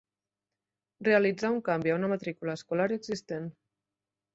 Realitzar un canvi a una matrícula escolar existent.